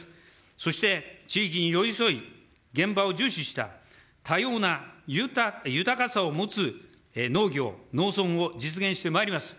そして地域に寄り添い、現場を重視した多様な豊かさを持つ農業、農村を実現してまいります。